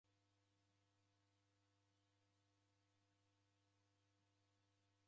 Nechi wanyamiria w'andu w'oruw'u.